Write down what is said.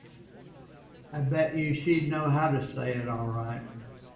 I bet you she'd know how to say it all right.